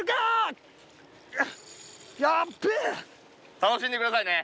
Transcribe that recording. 楽しんで下さいね！